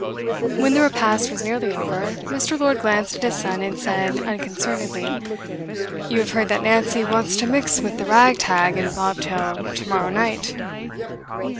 When the repast was nearly over, Mr. Lord glanced at his son and said unconcernedly: 'You have heard that Nancy wants to mix with the rag tag and bobtail to morrow night?